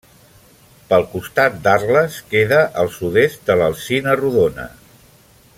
Pel costat d'Arles, queda al sud-est de l'Alzina Rodona.